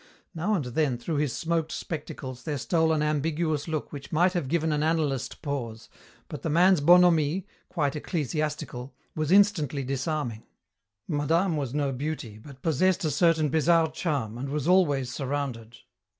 Now and then through his smoked spectacles there stole an ambiguous look which might have given an analyst pause, but the man's bonhomie, quite ecclesiastical, was instantly disarming. Madame was no beauty, but possessed a certain bizarre charm and was always surrounded.